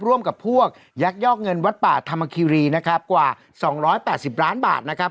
ร่วมกับพวกยักยอกเงินวัดป่าธรรมคิรีนะครับกว่า๒๘๐ล้านบาทนะครับ